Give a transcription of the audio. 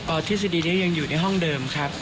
ทฤษฎีนี้ยังอยู่ในห้องเดิมครับ